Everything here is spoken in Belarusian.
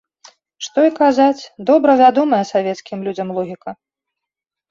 Што і казаць, добра вядомая савецкім людзям логіка.